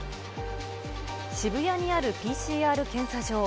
渋谷にあるＰＣＲ検査場。